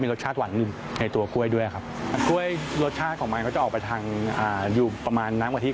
มันเข้ากันดี